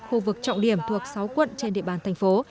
khu vực trọng điểm thuộc sáu quận trên địa bàn thành phố